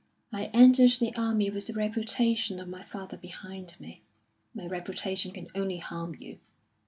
"I entered the army with the reputation of my father behind me; my reputation can only harm you.